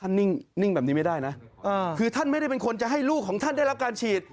นิ่งแบบนี้ไม่ได้นะคือท่านไม่ได้เป็นคนจะให้ลูกของท่านได้รับการฉีด